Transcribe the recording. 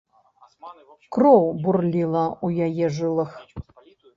Кроў бурліла ў яе жылах.